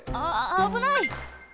あぶない！